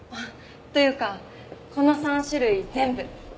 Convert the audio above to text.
というかこの３種類全部。